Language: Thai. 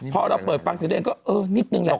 พอเราเปิดฟังเสียงตัวเองก็เออนิดนึงแหละ